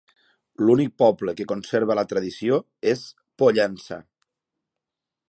L'únic poble que conserva la tradició es Pollença.